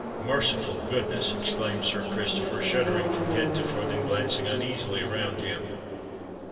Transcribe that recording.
"Merciful goodness!" exclaimed Sir Christopher, shuddering from head to foot, and glancing uneasily around him.